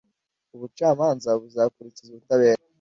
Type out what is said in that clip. ubucamanza buzakurikiza ubutabera